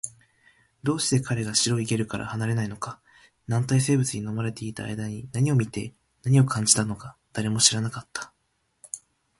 どうして彼が白いゲルから離れないのか、軟体生物に飲まれていた間に何を見て、何を感じたのか、誰も知らなかった